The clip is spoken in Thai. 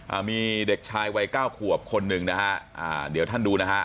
อ่ามีเด็กชายวัยเก้าขวบคนหนึ่งนะฮะอ่าเดี๋ยวท่านดูนะฮะ